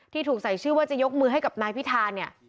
ถูกใส่ชื่อว่าจะยกมือให้กับนายพิธาเนี่ย